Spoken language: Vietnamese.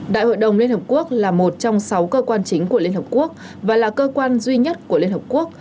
đại hội đồng liên hợp quốc là một trong sáu cơ quan chính của liên hợp quốc và là cơ quan duy nhất của liên hợp quốc